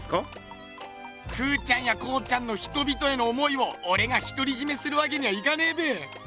空ちゃんや康ちゃんの人々への思いをおれがひとりじめするわけにはいかねえべ。